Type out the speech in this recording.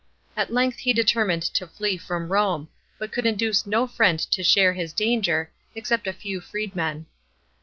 At length he determined to flee from Rome, but could induce no friend to share his danger, except a few freed men.